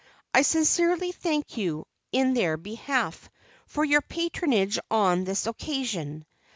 I sincerely thank you, in their behalf, for your patronage on this occasion.